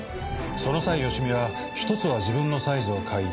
その際芳美は１つは自分のサイズを買い